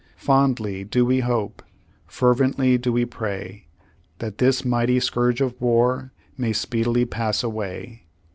Fondly do we hope, fervently do we pray, that this mighty scourge of war may speedily pass away.